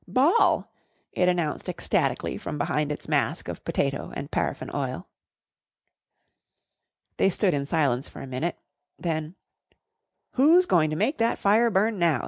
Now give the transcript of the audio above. "Ball!" it announced ecstatically from behind its mask of potato and paraffin oil. They stood in silence for a minute. Then, "Who's going to make that fire burn now?"